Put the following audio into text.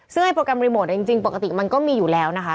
ซึ่งไอโปรแกรมรีโมทจริงปกติมันก็มีอยู่แล้วนะคะ